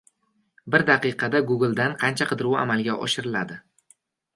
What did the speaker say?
Bir daqiqada Google'dan qancha qidiruv amalga oshiriladi?